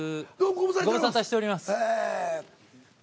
ご無沙汰しております。